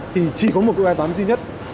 thì chỉ có một cái bài toán duy nhất